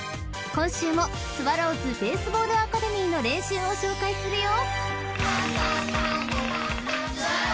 今週もスワローズベースボールアカデミーの練習を紹介するよ］